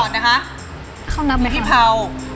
มีพี่เผาเอาพี่เผาออกไป